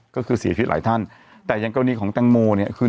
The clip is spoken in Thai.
ก็คือเสียชีวิตหลายท่านแต่อย่างกรณีของแตงโมเนี่ยคือ